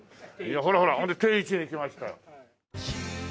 ほらほらほんで定位置に来ましたよ。